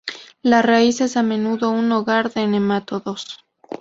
La raíz es a menudo un hogar de nematodos.